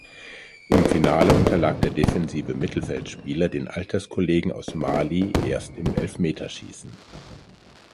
Im Finale unterlag der defensive Mittelfeldspieler den Alterskollegen aus Mali erst im Elfmeterschießen.